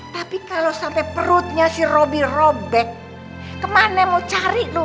tapi kalau sampai perutnya si roby robek kemana mau cari tuh